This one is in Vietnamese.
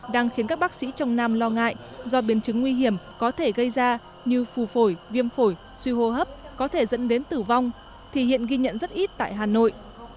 đang khiến các bác sĩ trong nam lo ngại do biến chứng nguy hiểm có thể gây ra như phù phổi viêm phổi suy hô hấp có thể dẫn đến tử vong thì hiện ghi nhận rất ít tại hà nội